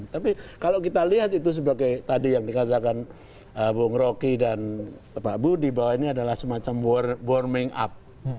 tapi kalau kita lihat itu sebagai tadi yang dikatakan bung roky dan bapak bu di bawah ini adalah semacam warming up